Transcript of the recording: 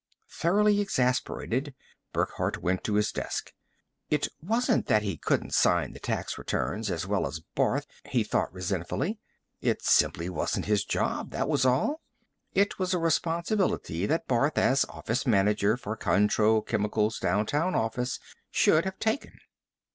Thoroughly exasperated, Burckhardt went to his desk. It wasn't that he couldn't sign the tax returns as well as Barth, he thought resentfully. It simply wasn't his job, that was all; it was a responsibility that Barth, as office manager for Contro Chemicals' downtown office, should have taken.